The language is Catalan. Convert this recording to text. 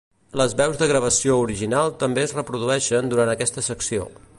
Les veus de la gravació original també es reprodueixen durant aquesta secció.